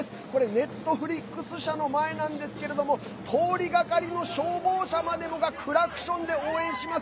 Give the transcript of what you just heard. Ｎｅｔｆｌｉｘ社の前なんですけれども通りがかりの消防車までもがクラクションで応援します。